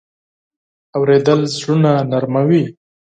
اورېدل زړونه نرمه وي.